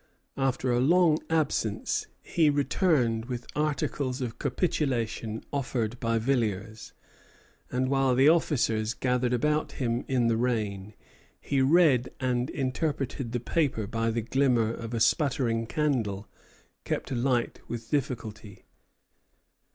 After a long absence he returned with articles of capitulation offered by Villiers; and while the officers gathered about him in the rain, he read and interpreted the paper by the glimmer of a sputtering candle kept alight with difficulty.